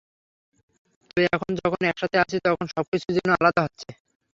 তবে এখন যখন একসাথে আছি, তখন সবকিছুই যেন আলাদা হচ্ছে।